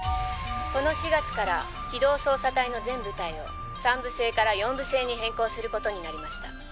この４月から機動捜査隊の全部隊を三部制から四部制に変更することになりました